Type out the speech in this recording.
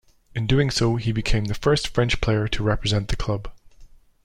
In doing so, he became the first French player to represent the club.